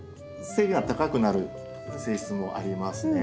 背が高くなる性質もありますね。